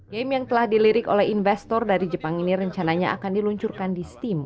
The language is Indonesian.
game yang telah dilirik oleh investor dari jepang ini rencananya akan diluncurkan di steam